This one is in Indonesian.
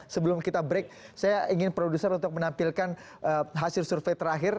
sebelum kita break saya ingin produser untuk menampilkan hasil survei terakhir